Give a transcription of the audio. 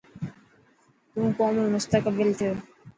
تون قوم رو مستقبل ٿيي.